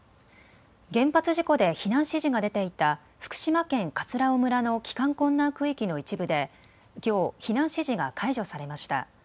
原発事故で避難指示が出ていた福島県葛尾村の帰還困難区域の一部できょう避難指示が解除されました。